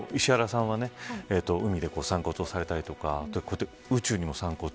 石原さんは海で散骨をされたりとか宇宙にも散骨。